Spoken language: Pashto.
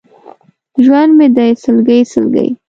ژوند مې دی سلګۍ، سلګۍ!